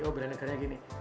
oh belanegaranya gini